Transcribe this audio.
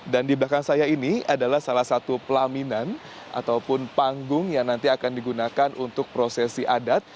dan di belakang saya ini adalah salah satu pelaminan ataupun panggung yang nanti akan digunakan untuk prosesi adat